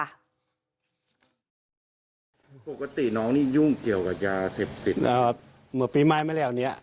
ไม่เคยคุ้มคลั่งเลย